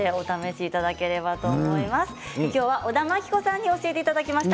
小田真規子さんに教えていただきました。